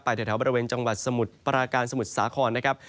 ไปจากเฉินที่ออกจากแถวภาคปราการสมุทรสาครนะครับ